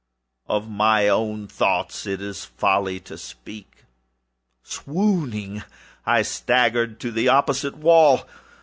Of my own thoughts it is folly to speak. Swooning, I staggered to the opposite wall.